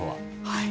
はい。